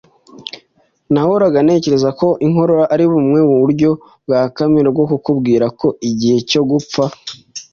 Nahoraga ntekereza ko inkorora ari bumwe mu buryo bwa kamere bwo kukubwira ko igihe cyo gupfa.